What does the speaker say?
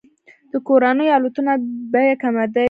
د کورنیو الوتنو بیه کمه ده.